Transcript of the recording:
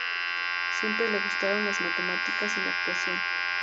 Siempre le gustaron las matemáticas y la actuación.